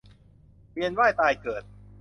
เวียนว่ายตายเกิด